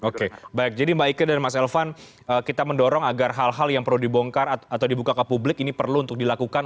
oke baik jadi mbak ike dan mas elvan kita mendorong agar hal hal yang perlu dibongkar atau dibuka ke publik ini perlu untuk dilakukan